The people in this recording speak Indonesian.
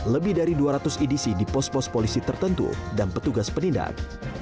lebih dari dua ratus edc di pos pos polisi tertentu dan petugas penindak